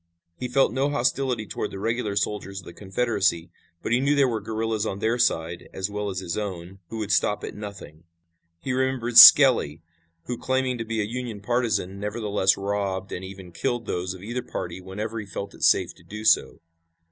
He felt no hostility toward the regular soldiers of the Confederacy, but he knew there were guerillas on their side, as well as his own, who would stop at nothing. He remembered Skelly, who, claiming to be a Union partisan, nevertheless robbed and even killed those of either party whenever he felt it safe to do so.